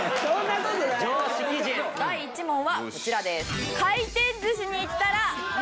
第１問はこちらです。